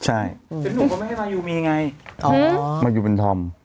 ใช่หรือหนูก็ไม่ให้มายูมีไงมายูเป็นธรรม